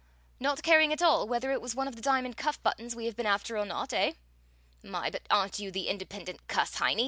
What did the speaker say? "Not caring at all whether it was one of the diamond cuff buttons we have been after or not, eh? My, but aren't you the independent cuss, Heinie?